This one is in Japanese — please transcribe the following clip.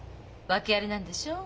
訳ありなんでしょう？